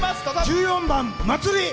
１４番「まつり」。